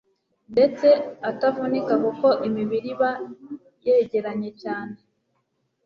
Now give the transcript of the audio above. ndetse atanavunika kuko imibiri iba yegeranye cyane